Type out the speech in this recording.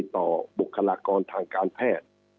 บุคลากรทางการแพทย์